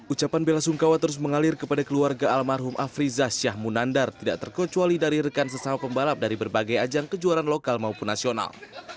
ucapan bela sungkawa terus mengalir kepada keluarga almarhum afrizah syah munandar tidak terkecuali dari rekan sesama pembalap dari berbagai ajang kejuaraan lokal maupun nasional